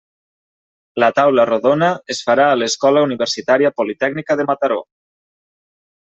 La taula rodona es farà a l'Escola Universitària Politècnica de Mataró.